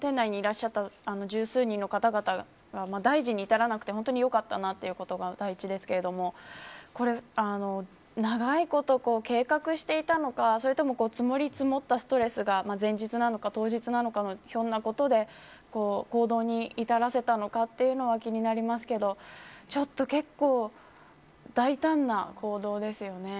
ただ、店内にいらっしゃった十数人の方々が大事に至らなくて本当によかったなということが大事ですけども長いこと計画していたのかそれとも積もり積もったストレスが前日なのか、当日なのかひょんなことで行動に至らせたのかというのが気になりますけどちょっと結構大胆な行動ですよね。